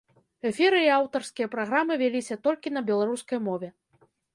Эфіры і аўтарскія праграмы вяліся толькі на беларускай мове.